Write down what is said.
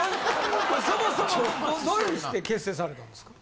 そもそもどういう風にして結成されたんですか？